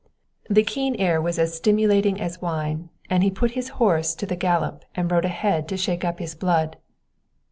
The keen air was as stimulating as wine, and he put his horse to the gallop and rode ahead to shake up his blood.